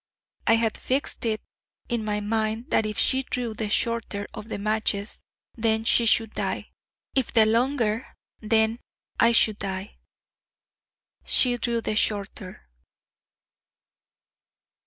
I had fixed it in my mind that if she drew the shorter of the matches, then she should die; if the longer, then I should die. She drew the shorter....